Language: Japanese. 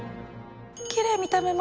きれい見た目も。